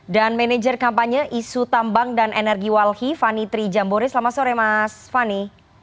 dan manajer kampanye isu tambang dan energi walhi fani tri jambore selamat sore mas fani